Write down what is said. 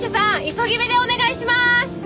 急ぎめでお願いします！